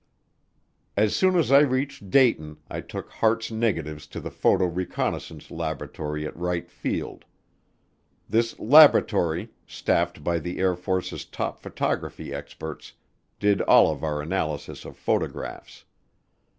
As soon as I reached Dayton I took Hart's negatives to the Photo Reconnaissance Laboratory at Wright Field. This laboratory, staffed by the Air Force's top photography experts, did all of our analysis of photographs.